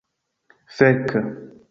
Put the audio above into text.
Fek'!